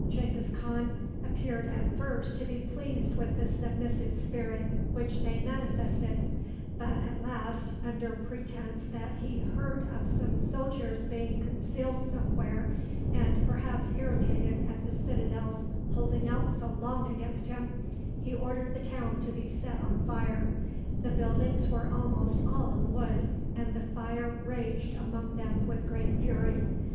Genghis Khan appeared at first to be pleased with the submissive spirit which they manifested, but at last, under pretense that he heard of some soldiers being concealed somewhere, and perhaps irritated at the citadel's holding out so long against him, he ordered the town to be set on fire. The buildings were almost all of wood, and the fire raged among them with great fury.